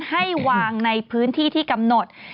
ให้วางในพื้นที่ที่กำหนด